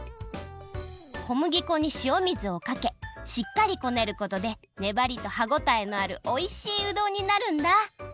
小麦粉にしお水をかけしっかりこねることでねばりと歯ごたえのあるおいしいうどんになるんだ。